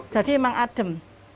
jadi memang adem